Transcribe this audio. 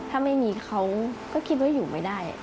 ถ้าไม่มีเขาก็คิดว่าอยู่ไม่ได้